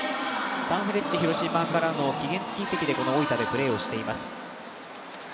サンフレッチェ広島からの期限付き移籍で、この大分でプレーをしています。